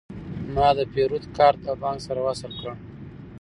ما د پیرود کارت له بانک سره وصل کړ.